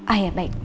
ah ya baik